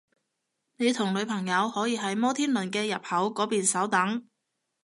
你同女朋友可以喺摩天輪嘅入口嗰邊稍等